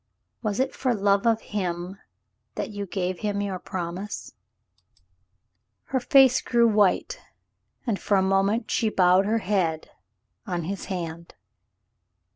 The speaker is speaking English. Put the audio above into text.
Was it for love of him that you gave him your promise ?" Her face grew white, and for a moment she bowed her head on his hand.